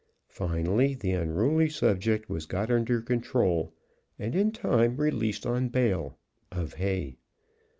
Finally, the unruly subject was got under control, and in time released on bail (of hay).